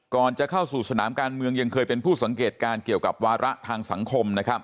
ก่อนจะเข้าสู่สนามการเมืองยังเคยเป็นผู้สังเกตการณ์เกี่ยวกับวาระทางสังคม